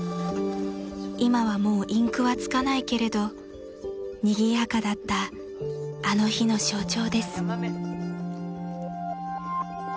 ［今はもうインクはつかないけれどにぎやかだったあの日の象徴です］